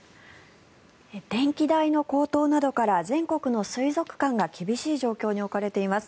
電気代の高騰などから全国の水族館が厳しい状況に置かれています。